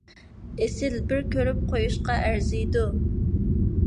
ئېسىل! بىر كۆرۈپ قويۇشقا ئەرزىيدۇ.